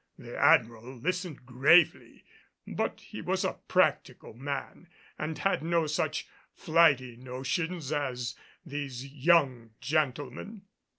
The Admiral listened gravely, but he was a practical man and had no such flighty notions as these young gentlemen.